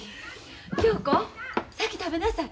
恭子先食べなさい。